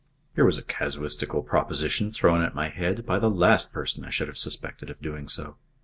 Here was a casuistical proposition thrown at my head by the last person I should have suspected of doing so.